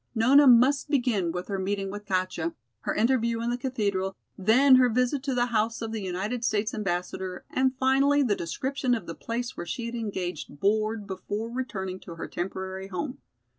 Nona must begin with her meeting with Katja, her interview in the Cathedral, then her visit to the house of the United States Ambassador and finally the description of the place where she had engaged board before returning to her temporary home.